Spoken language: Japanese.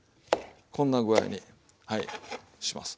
こんな具合にします。